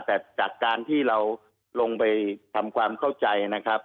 แต่จากการที่เราลงไปทำความเข้าใจนะครับ